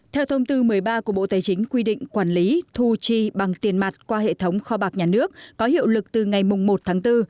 theo thông tư một mươi ba của bộ tài chính quy định quản lý thu chi bằng tiền mặt qua hệ thống kho bạc nhà nước có hiệu lực từ ngày một tháng bốn